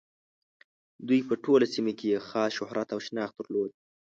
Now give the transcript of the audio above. دوی په ټوله سیمه کې یې خاص شهرت او شناخت درلود.